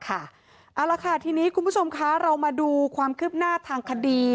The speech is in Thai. เอาละค่ะทีนี้คุณผู้ชมคะเรามาดูความคืบหน้าทางคดี